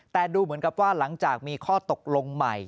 แต่ดูเหมือนกับว่าหลังจากมีข้อตกลงใหม่